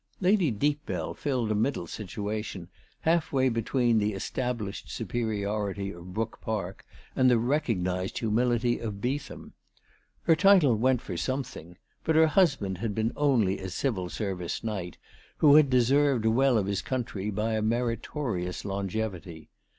Lady Deepbell filled a middle situation, half way between the established superiority of Brook Park and the recognised humility of Beetham. Her title went for something ; but her husband had been only a Civil Service Knight, who had deserved well of his country by a meritorious longevity.